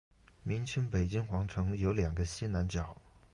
明清北京皇城有两个西南角。